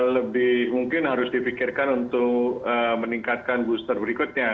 lebih mungkin harus difikirkan untuk meningkatkan booster berikutnya